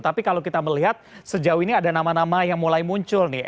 tapi kalau kita melihat sejauh ini ada nama nama yang mulai muncul nih